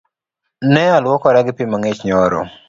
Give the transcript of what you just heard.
Ne alwuokora gi pii mang’ich nyoro